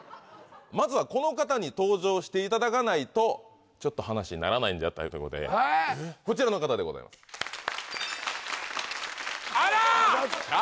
まずはこの方に登場していただかないとちょっと話にならないということでこちらの方でございますあら！